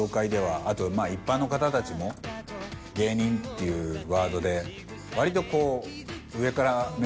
あとまぁ一般の方たちも芸人っていうワードで割とこう。